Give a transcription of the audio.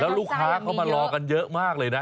ลูกค้าเขามารอกันเยอะมากเลยนะ